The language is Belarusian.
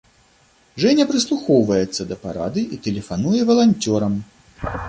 Жэня прыслухоўваецца да парады і тэлефануе валанцёрам.